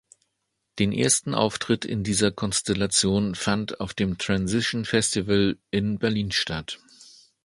Den ersten Auftritt in dieser Konstellation fand auf dem Transition Festival in Berlin statt.